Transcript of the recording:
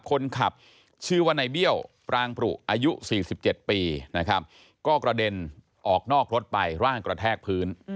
คนขับชื่อว่าในเบี้ยวปรางปรุอายุ๔๗ปีนะครับก็กระเด็นออกนอกรถไปร่างกระแทกพื้น